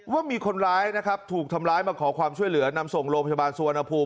ว่ามีคนร้ายนะครับถูกทำร้ายมาขอความช่วยเหลือนำส่งโรงพยาบาลสุวรรณภูมิ